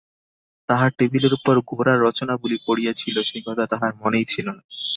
তাহার টেবিলের উপর গোরার রচনাবলী পড়িয়া ছিল সে কথা তাহার মনেই ছিল না।